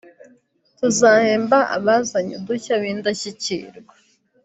tuzahemba abazanye udushya b’indashyikirwa